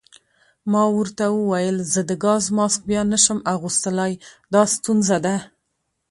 ما ورته وویل: ضد ګاز ماسک بیا نه شم اغوستلای، دا ستونزه ده.